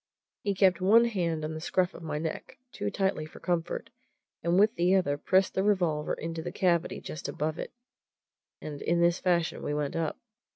He kept one hand on the scruff of my neck too tightly for comfort and with the other pressed the revolver into the cavity just above it, and in this fashion we went up.